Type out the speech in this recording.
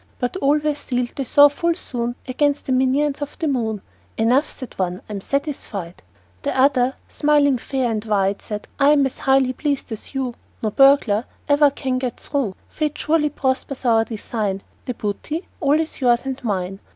But all were sealed, they saw full soon, Against the minions of the moon. "Enough," said one: "I'm satisfied." The other, smiling fair and wide, Said: "I'm as highly pleased as you: No burglar ever can get through. Fate surely prospers our design The booty all is yours and mine."